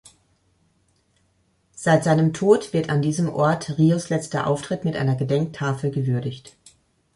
Seit seinem Tod wird an diesem Ort Rios letzter Auftritt mit einer Gedenktafel gewürdigt.